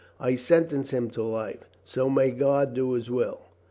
I sentence him to life. So may God do His will.